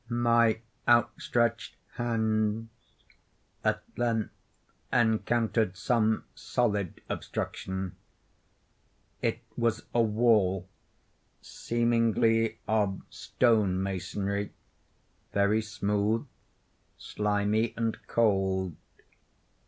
My outstretched hands at length encountered some solid obstruction. It was a wall, seemingly of stone masonry—very smooth, slimy, and cold.